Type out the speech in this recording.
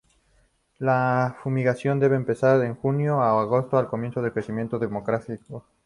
La fumigación debe empezar en julio o agosto, al comienzo del crecimiento demográfico.